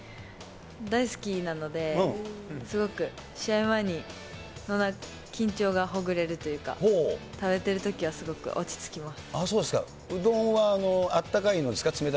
大好きなので、すごく試合前に、緊張がほぐれるというか、食べてるときはすごく落ち着きます。